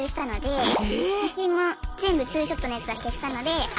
ええ⁉写真も全部ツーショットのやつは消したのであ